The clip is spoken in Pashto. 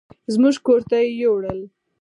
زموږ کور ته يې يوړل.